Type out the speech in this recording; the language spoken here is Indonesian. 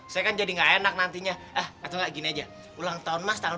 saya kan jadi gak enak nantinya eh atau gak gini aja ulang tahun mas tanggal